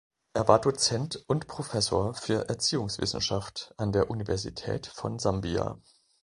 Er war Dozent und Professor für Erziehungswissenschaft an der Universität von Sambia.